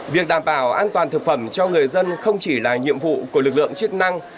việc đảm bảo an toàn thực phẩm cho người dân không chỉ là nhiệm vụ của lực lượng chức năng